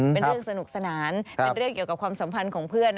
เป็นเรื่องสนุกสนานเป็นเรื่องเกี่ยวกับความสัมพันธ์ของเพื่อน